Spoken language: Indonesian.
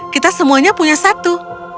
kita semuanya punya satu